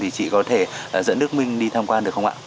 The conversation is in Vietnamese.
thì chị có thể dẫn đức minh đi tham quan được không ạ